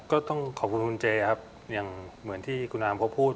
ก็ต้องขอบคุณคุณเจอย่างเหมือนที่คุณอามพอพูด